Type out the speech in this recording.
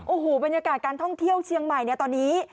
โอ้โหบรรยากาศการท่องเที่ยวเชียงใหม่เนี่ยตอนนี้